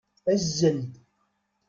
Azzel-d!